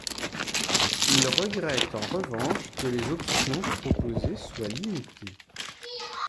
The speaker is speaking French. Il regrette en revanche que les options proposées soient limitées.